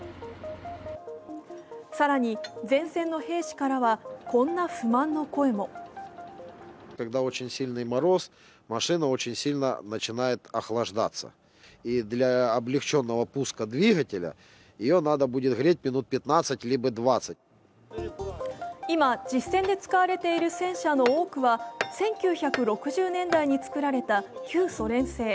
更に、前線の兵士からはこんな不満の声も今実戦で使われている戦車の多くは１９６０年代に作られた旧ソ連製。